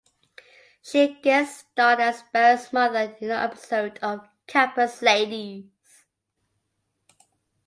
She guest starred as Barri's mother in an episode of "Campus Ladies".